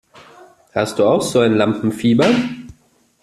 Hast du auch so ein Lampenfieber?